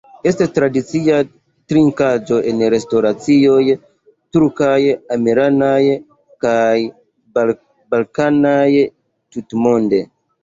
Estas tradicia trinkaĵo en restoracioj turkaj, armenaj kaj balkanaj tutmonde.